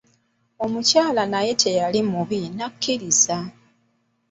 Omukyala naye teyali mubi n'akkiriza.